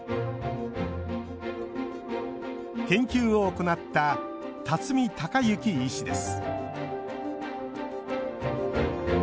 研究を行った辰巳嵩征医師です